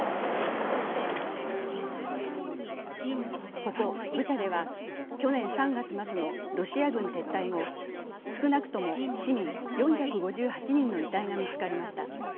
ここブチャでは去年３月末のロシア軍撤退後、少なくとも市民４５８人の遺体が見つかりました。